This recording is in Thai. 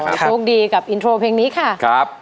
ขอโชคดีกับอินโทรเพลงนี้ค่ะ